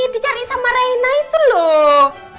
dicari sama reina itu loh